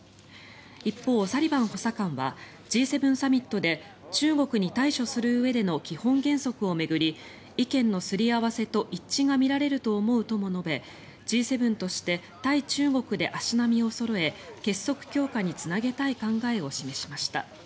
一方、サリバン補佐官はＧ７サミットで中国に対処するうえでの基本原則を巡り意見のすり合わせと一致が見られると思うとも述べＧ７として対中国で足並みをそろえ結束強化につなげたい考えを示しました。